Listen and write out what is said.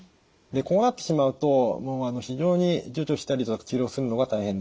でこうなってしまうともう非常に除去したり治療するのが大変です。